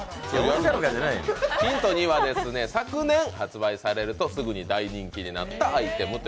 ヒント２はですね、昨年発売されるとすぐに大人気になったアイテム。